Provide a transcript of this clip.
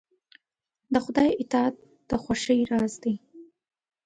د خدای اطاعت د خوښۍ راز دی.